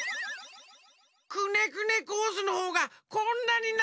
くねくねコースのほうがこんなにながかったんだ！